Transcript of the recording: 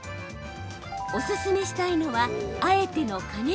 おすすめしたいのはあえての加熱。